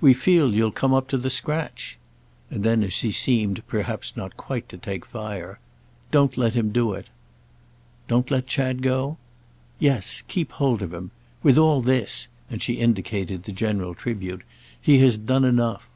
We feel you'll come up to the scratch." And then as he seemed perhaps not quite to take fire: "Don't let him do it." "Don't let Chad go?" "Yes, keep hold of him. With all this"—and she indicated the general tribute—"he has done enough.